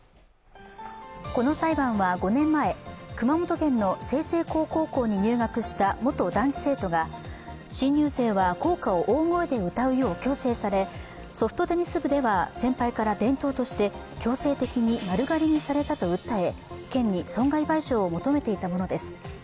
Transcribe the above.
この裁判は５年前、熊本県の済々黌高校に入学した元男子生徒が、新入生は校歌を大声で歌うよう強制されソフトテニス部では先輩から伝統として強制的に丸刈りにされたと訴え、県に損害賠償を求めていたものです。